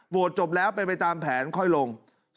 โหวดจบแล้วไปตามแผนค่อยลง